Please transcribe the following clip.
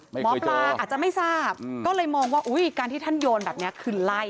หมอปลาอาจจะไม่ทราบก็เลยมองว่าอุ้ยการที่ท่านโยนแบบนี้คือไล่